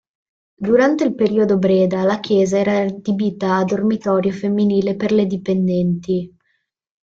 Durante il periodo "Breda" la chiesa era adibita a dormitorio femminile per le dipendenti.